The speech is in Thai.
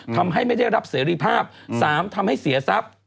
ทำให้ไม่ได้รับเสรีภาพ๓ทำให้เสียทรัพย์